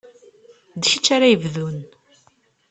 D kečč ara yebdun.